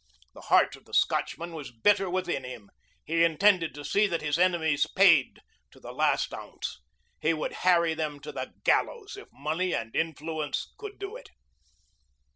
The heart of the Scotchman was bitter within him. He intended to see that his enemies paid to the last ounce. He would harry them to the gallows if money and influence could do it.